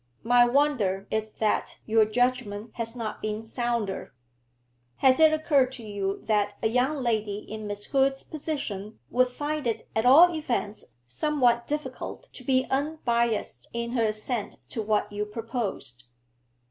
My wonder is that your judgment has not been sounder. Has it occurred to you that a young lady in Miss Hood's position would find it at all events somewhat difficult to be unbiassed in her assent to what you proposed?'